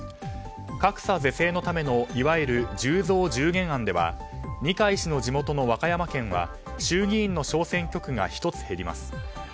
格差是正のためのいわゆる１０増１０減案では二階氏の地元の和歌山県では衆議院の小選挙区が１つ減ります。